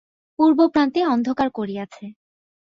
পূর্বপ্রান্তে অন্ধকার করিয়াছে।